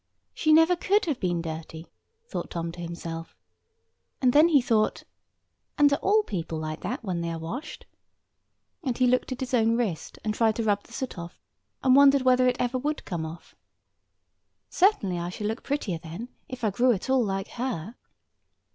She never could have been dirty, thought Tom to himself. And then he thought, "And are all people like that when they are washed?" And he looked at his own wrist, and tried to rub the soot off, and wondered whether it ever would come off. "Certainly I should look much prettier then, if I grew at all like her."